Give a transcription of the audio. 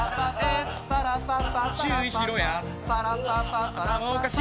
注意しろや。